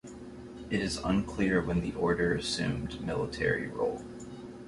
It is unclear when the Order assumed a military role.